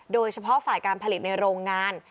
โดยเฉพาะฝ่ายการผลิตในโรงงาน